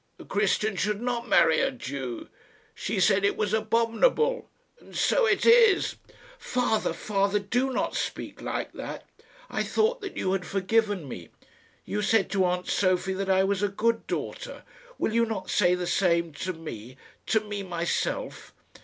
A Christian should not marry a Jew. She said it was abominable; and so it is." "Father, father, do not speak like that! I thought that you had forgiven me. You said to aunt Sophie that I was a good daughter. Will you not say the same to me to me myself?"